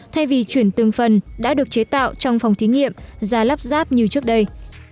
thay vì chuyển từng phần đã được chế tạo trong phòng thí nghiệm ra lắp ráp như trước đây